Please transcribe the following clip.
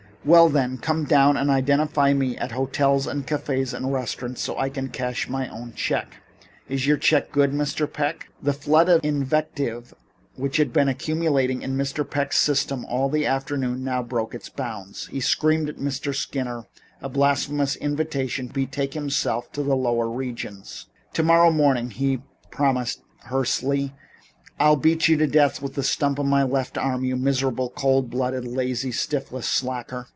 "Well then, come downtown and identify me at hotels and cafés and restaurants so I can cash my own check." "Is your check good, Mr. Peck?" The flood of invective which had been accumulating in Mr. Peck's system all the afternoon now broke its bounds. He screamed at Mr. Skinner a blasphemous invitation to betake himself to the lower regions. "Tomorrow morning," he promised hoarsely, "I'll beat you to death with the stump of my left arm, you miserable, cold blooded, lazy, shiftless slacker."